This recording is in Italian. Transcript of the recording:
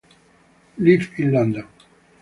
Live in London